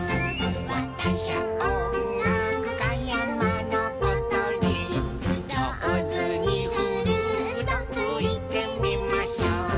「わたしゃ音楽家山のことり」「上手にフルートふいてみましょう」